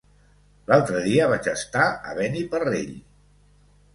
L'altre dia vaig estar a Beniparrell.